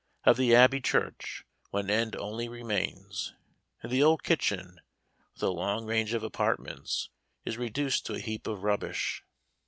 Of the Abbey church, one end only remains; and the old kitchen, with a long range of apartments, is reduced to a heap of rubbish.